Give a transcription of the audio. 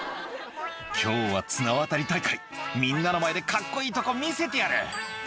「今日は綱渡り大会」「みんなの前でカッコいいとこ見せてやる」